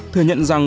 thừa nhận rằng